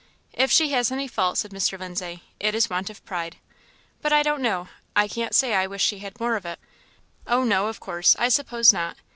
"If she has any fault," said Mr. Lindsay, "it is want of pride but I don't know I can't say I wish she had more of it." "Oh, no, of course! I suppose not.